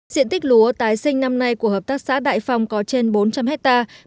diện tích lúa tái sinh năm nay của hợp tác xã đại phong có trên bốn trăm linh hectare